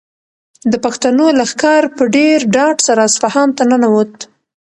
د پښتنو لښکر په ډېر ډاډ سره اصفهان ته ننووت.